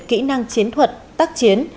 kỹ năng chiến thuật tác chiến